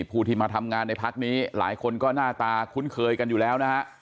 ผู้ที่มาทำงานในพักนี้หลายคนก็หน้าตาคุ้นเคยกันอยู่แล้วนะฮะ